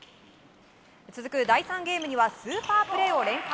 続く第３ゲームにはスーパープレーを連発。